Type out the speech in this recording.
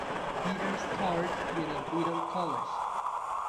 Peter's Court y en el Eton College.